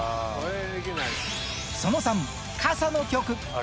その３、傘の曲。